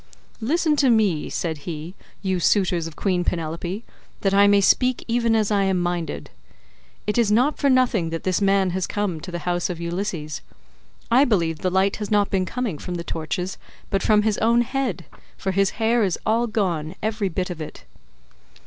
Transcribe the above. "Listen to me," said he, "you suitors of Queen Penelope, that I may speak even as I am minded. It is not for nothing that this man has come to the house of Ulysses; I believe the light has not been coming from the torches, but from his own head—for his hair is all gone, every bit of it."